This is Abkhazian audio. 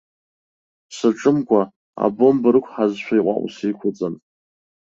Саҿымкәа, абомба рықәҳазшәа иҟәаҟәаса иқәуҵан.